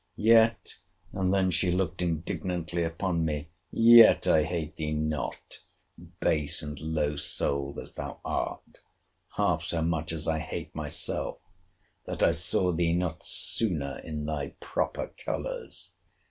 —Yet—[and then she looked indignantly upon me!] yet, I hate thee not (base and low souled as thou art!) half so much as I hate myself, that I saw thee not sooner in thy proper colours!